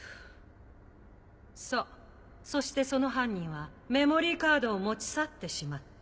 そうそしてその犯人はメモリーカードを持ち去ってしまった。